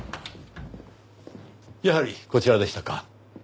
やはりこちらでしたか。